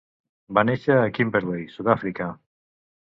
Va néixer a Kimberley, Sud-àfrica.